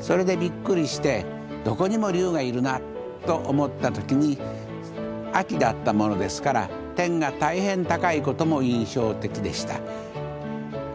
それでびっくりしてどこにも龍がいるなと思った時に秋だったものですから天が大変高いことも印象的でした。